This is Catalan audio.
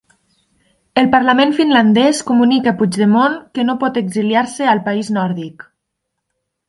El Parlament finlandès comunica a Puigdemont que no pot exiliar-se al país nòrdic